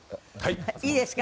いいですか？